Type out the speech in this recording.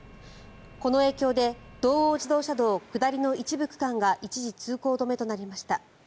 この影響で道央自動車道下りの一部区間が一時、通行止めとなりました。